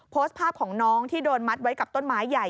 โพสต์ภาพของน้องที่โดนมัดไว้กับต้นไม้ใหญ่